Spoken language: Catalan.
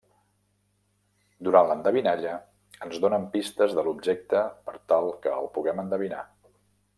Durant l'endevinalla, ens donen pistes de l'objecte per tal que el puguem endevinar.